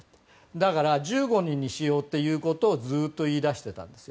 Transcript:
だから１５人にしようということをずっと言い出していたんです。